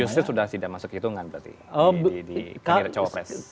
yusril sudah tidak masuk hitungan berarti di kinerja cowok pres